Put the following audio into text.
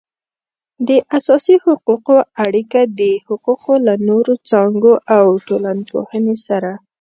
د اساسي حقوقو اړیکه د حقوقو له نورو څانګو او ټولنپوهنې سره